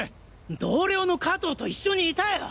同僚の加藤と一緒にいたよ！